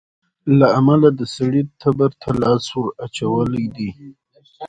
له امله د سړي تبر ته لاستى وراچولى دى.